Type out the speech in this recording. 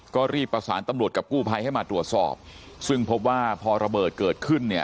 ก็รีบประสานตำรวจกับกู้ภัยให้มาตรวจสอบซึ่งพบว่าพอระเบิดเกิดขึ้นเนี่ย